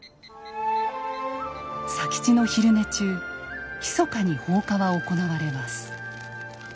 佐吉の昼寝中ひそかに放火は行われます。